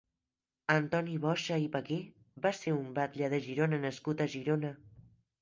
Antoni Boxa i Bagué va ser un batlle de Girona nascut a Girona.